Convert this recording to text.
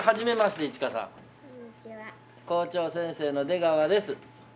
校長先生の出川です。